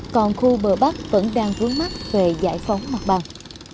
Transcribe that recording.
còn khu bờ bắc vẫn đang vướng mắt về giải phóng mặt bằng